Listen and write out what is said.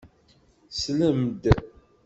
Slem-d!